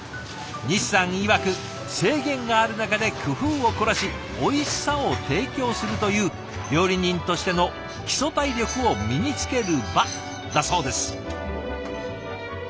西さんいわく制限がある中で工夫を凝らしおいしさを提供するという料理人としての基礎体力を身につける場だそうです。